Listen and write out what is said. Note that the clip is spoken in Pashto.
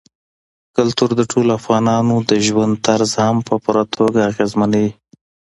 کلتور د ټولو افغانانو د ژوند طرز هم په پوره توګه اغېزمنوي.